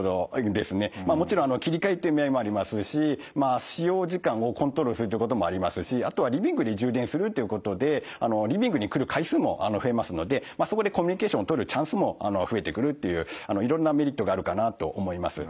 もちろん切り替えっていう意味合いもありますし使用時間をコントロールするっていうこともありますしあとはリビングで充電するっていうことでリビングに来る回数も増えますのでそこでコミュニケーションをとるチャンスも増えてくるっていういろんなメリットがあるかなと思います。